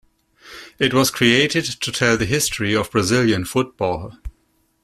It was created to tell the history of Brazilian football.